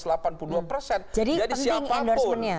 jadi penting endorsemennya